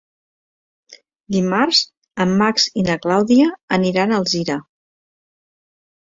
Dimarts en Max i na Clàudia aniran a Alzira.